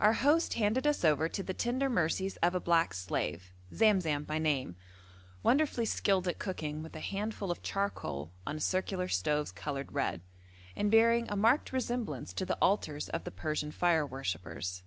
Our host handed us over to the tender mercies of a black slave, Zamzam by name, wonderfully skilled at cooking with a handful of charcoal on circular stoves coloured red, and bearing a marked resemblance to the altars of the Persian fire worshippers.